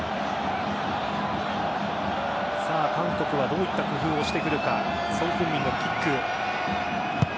韓国はどういった工夫をしてくるかソン・フンミンのキック。